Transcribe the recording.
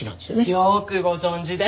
よくご存じで。